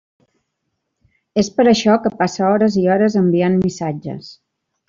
És per això que passa hores i hores enviant missatges.